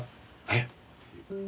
えっ？